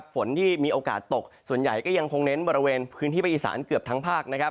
ฝนที่มีโอกาสตกส่วนใหญ่ก็ยังคงเน้นบริเวณพื้นที่ภาคอีสานเกือบทั้งภาค